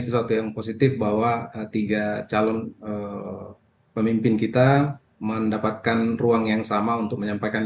sesuatu yang positif bahwa tiga calon pemimpin kita mendapatkan ruang yang sama untuk menyampaikan